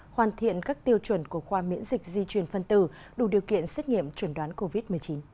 hoàn thiện các tiêu chuẩn của khoa miễn dịch di chuyển phân tử đủ điều kiện xét nghiệm chuẩn đoán covid một mươi chín